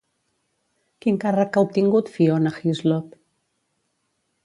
Quin càrrec ha obtingut Fiona Hyslop?